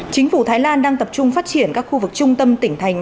chính phủ thái lan đang tập trung phát triển các khu vực trung tâm tỉnh thành